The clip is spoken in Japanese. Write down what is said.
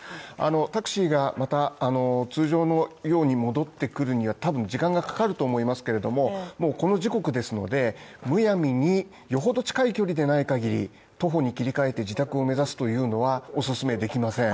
タクシーがまた通常のように戻ってくるには多分時間がかかると思いますけれどももうこの時刻ですので、むやみによほど近い距離でない限り徒歩に切り替えて自宅を目指すというのはおすすめできません。